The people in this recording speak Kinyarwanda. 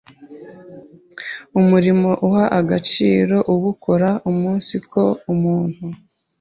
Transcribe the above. Umurimo uha agaciro uwukora umunsiko umuntu